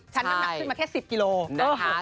ฉันก็หนักขึ้นมาแค่๑๐กิโลกรัมนะคะ